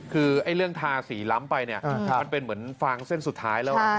คือเรื่องทาสีล้ำไปเนี่ยมันเป็นเหมือนฟางเส้นสุดท้ายแล้ว